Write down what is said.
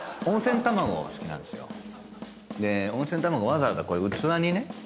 温泉卵わざわざ器にね。